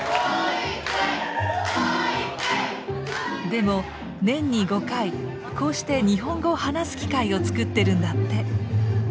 でも年に５回こうして日本語を話す機会を作ってるんだって。